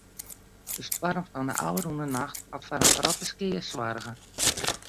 De stoarm fan de ôfrûne nacht hat foar in protte skea soarge.